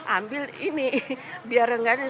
ambil ini biar enggak ada